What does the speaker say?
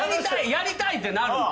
やりたい！ってなるもん。